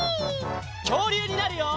きょうりゅうになるよ！